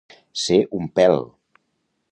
Ser un pèl.